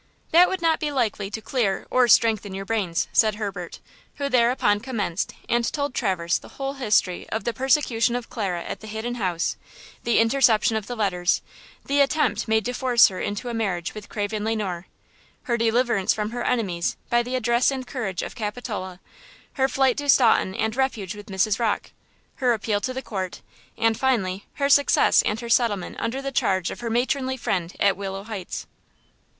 "That would not be likely to clear or strengthen your brains," said Herbert, who thereupon commenced and told Traverse the whole history of the persecution of Clara Day at the Hidden House; the interception of the letters; the attempt made to force her into a marriage with Craven Le Noir; her deliverance from her enemies by the address and courage of Capitola; her flight to Staunton and refuge with Mrs. Rocke; her appeal to the court, and finally her success and her settlement under the charge of her matronly friend at Willow Heights.